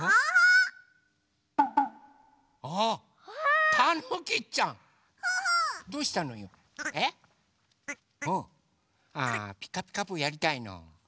あ「ピカピカブ！」やりたいの？